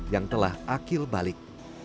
yang telah akil balik